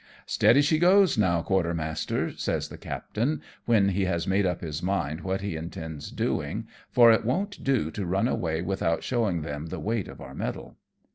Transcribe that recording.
2 9 '' Steady she goes now, quartermaster," says the captain, when he has made up his mind what he intends doing, for it won't do to run away without showing them the weight of our metal.